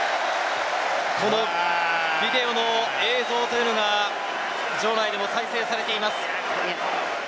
ビデオの映像というのが場内でも再生されています。